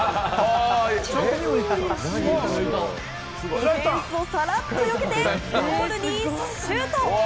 ディフェンスをサラッとよけて、ゴールにシュート！